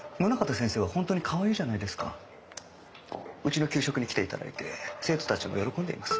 うちの給食に来て頂いて生徒たちも喜んでいます。